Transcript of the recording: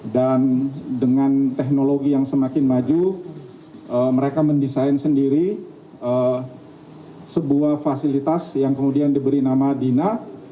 dan dengan teknologi yang semakin maju mereka mendesain sendiri sebuah fasilitas yang kemudian diberi nama dina